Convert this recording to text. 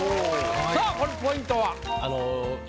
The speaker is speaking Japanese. さぁこれポイントは？